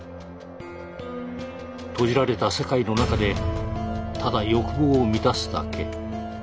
閉じられた世界の中でただ欲望を満たすだけ。